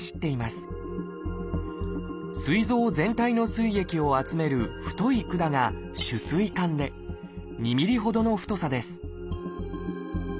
すい臓全体の膵液を集める太い管が「主膵管」で２ｍｍほどの太さです